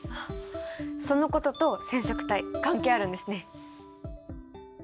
そのことと染色体関係あるんですね。